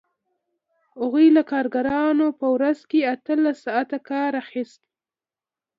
هغوی له کارګرانو په ورځ کې اتلس ساعته کار اخیست